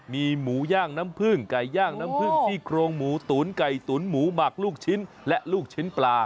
มีหมูย่างน้ำผึ้งไก่ย่างน้ำผึ้งซี่โครงหมูตุ๋นไก่ตุ๋นหมูหมักลูกชิ้นและลูกชิ้นปลา